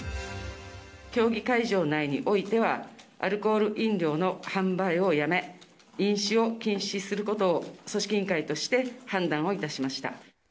競技会場内においては、アルコール飲料の販売をやめ、飲酒を禁止することを組織委員会として判断をいたしました。